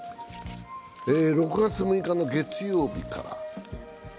６月６日の月曜日から。